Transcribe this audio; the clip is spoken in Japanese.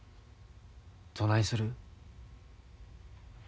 どないする？